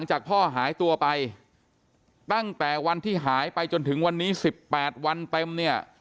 จากพ่อหายตัวไปตั้งแต่วันที่หายไปจนถึงวันนี้๑๘วันเต็มเนี่ย